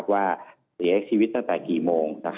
ว่าเสียชีวิตตั้งแต่กี่โมง